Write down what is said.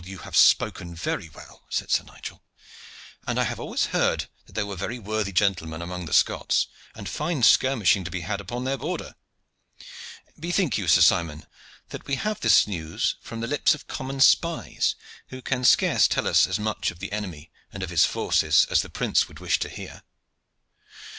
you have spoken very well," said Sir Nigel, "and I have always heard that there were very worthy gentlemen among the Scots, and fine skirmishing to be had upon their border. Bethink you, Sir Simon, that we have this news from the lips of common spies, who can scarce tell us as much of the enemy and of his forces as the prince would wish to hear."